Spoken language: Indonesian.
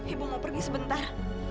ibu mau pergi sebentar